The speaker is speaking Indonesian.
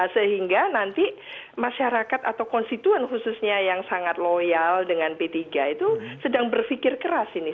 sehingga nanti masyarakat atau konstituen khususnya yang sangat loyal dengan p tiga itu sedang berpikir keras ini